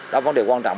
đó là vấn đề quan trọng